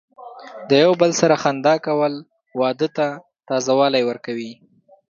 د یو بل سره خندا کول، واده ته تازه والی ورکوي.